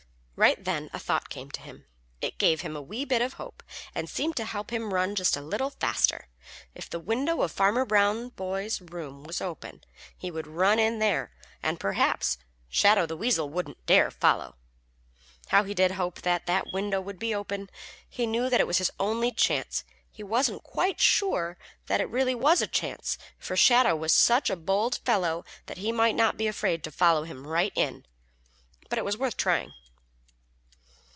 Right then a thought came to him. It gave him a wee bit of hope, and seemed to help him run just a little faster. If the window of Farmer Brown's boy's room was open, he would run in there, and perhaps Shadow the Weasel wouldn't dare follow! How he did hope that that window would be open! He knew that it was his only chance. He wasn't quite sure that it really was a chance, for Shadow was such a bold fellow that he might not be afraid to follow him right in, but it was worth trying.